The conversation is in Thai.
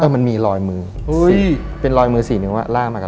มันมีลอยมือเป็นลอยมือสี่นิ้วลากมากับรถ